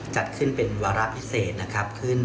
จัดขึ้นเป็นวาระพิเศษนะครับขึ้น